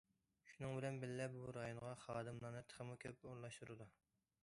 شۇنىڭ بىلەن بىللە، بۇ رايونغا خادىملارنى تېخىمۇ كۆپ ئورۇنلاشتۇرىدۇ.